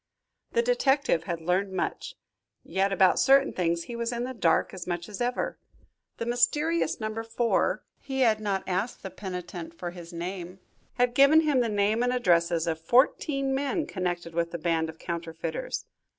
The detective had learned much, yet about certain things he was in the dark as much as ever. The mysterious Number Four he had not asked the penitent for his name had given him the names and addresses of fourteen men connected with the band of counterfeiters.